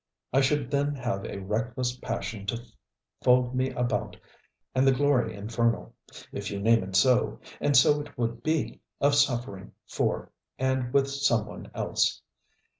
I should then have a reckless passion to fold me about, and the glory infernal, if you name it so, and so it would be of suffering for and with some one else.